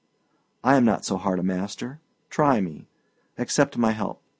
I am not so hard a master. Try me; accept my help.